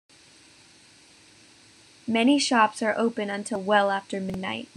Many shops are open until well after midnight.